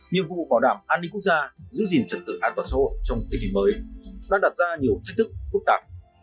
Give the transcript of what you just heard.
nhiệm vụ bảo đảm an ninh quốc gia giữ gìn trật tự an toàn xã hội trong tình hình mới đã đặt ra nhiều thách thức phức tạp